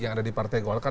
yang ada di partai golkar